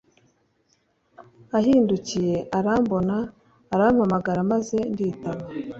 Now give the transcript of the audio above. Ahindukiye arambona arampamagara maze nditaba